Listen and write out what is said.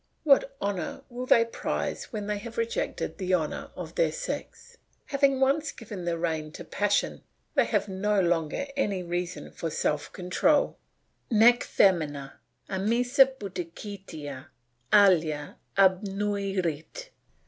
What honour will they prize when they have rejected the honour of their sex? Having once given the rein to passion they have no longer any reason for self control. "Nec femina, amissa pudicitia, alia abnuerit."